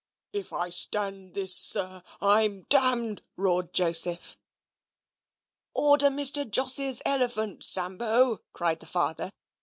"If I stand this, sir, I'm d !" roared Joseph. "Order Mr. Jos's elephant, Sambo!" cried the father.